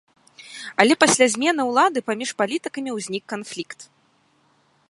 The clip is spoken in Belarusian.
Але пасля змены ўлады паміж палітыкамі ўзнік канфлікт.